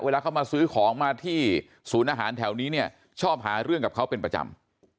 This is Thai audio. เข้ามาซื้อของมาที่ศูนย์อาหารแถวนี้เนี่ยชอบหาเรื่องกับเขาเป็นประจำ